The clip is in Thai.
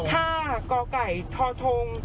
ห้ากอไก่ทอทง